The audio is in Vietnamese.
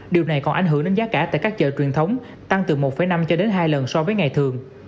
điều này còn ảnh hưởng đến giá cả tại các chợ truyền thống tăng từ một năm cho đến hai lần so với ngày thường